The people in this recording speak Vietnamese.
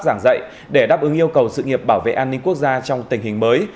giảng dạy để đáp ứng yêu cầu sự nghiệp bảo vệ an ninh quốc gia trong tình hình mới